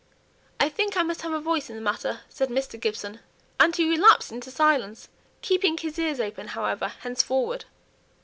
"I think I must have a voice in the matter," said Mr. Gibson; and he relapsed into silence, keeping his ears open, however, henceforward.